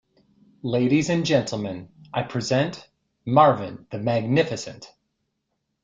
Ladies and gentlemen, I present Marvin the magnificent.